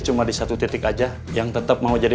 cuma di satu titik aja yang tetap mau jadi